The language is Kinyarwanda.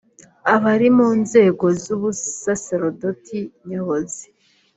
Abari mu nzego z’ubusaserdoti nyobozi